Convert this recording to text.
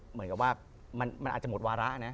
เหมือนกับว่ามันอาจจะหมดวาระนะ